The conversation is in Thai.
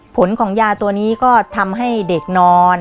ผลของยาตัวนี้ก็ทำให้เด็กนอน